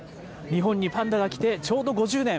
日本にパンダが来てちょうど５０年。